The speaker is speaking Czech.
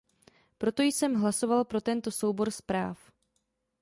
Proto jsem hlasoval pro tento soubor zpráv.